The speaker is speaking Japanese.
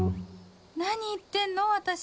何言ってんの私